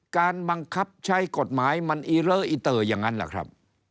การบังคับใช้กฎหมายมันอีเลอและอิต่อยังงานล่ะครับ